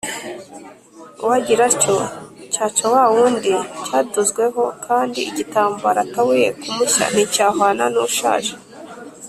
uwagira atyo, cyaca wa wundi cyadozweho kandi, igitambaro atabuye ku mushya nticyahwana n’ushaje